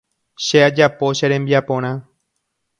Che ajapo che rembiaporã.